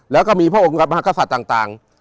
และก็มีพระองค์มหากศัตริย์ต่าง